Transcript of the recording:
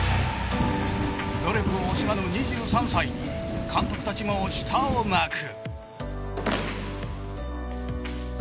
努力を惜しまぬ２３歳に監督たちも舌を巻く。